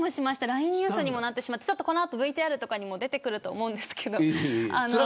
ラインニュースにもなってしまってこの後ＶＴＲにも出てくると思うんですけど。